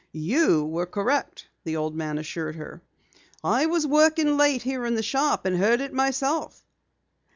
"You were correct," the old man assured her. "I was working late here in the shop and heard it myself."